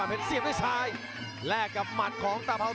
โปรดติดตามตอนต่อไป